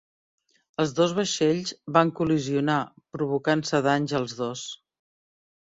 Els dos vaixells van col·lisionar, provocant-se danys els dos.